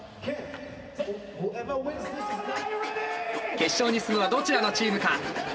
決勝に進むのはどちらのチームか？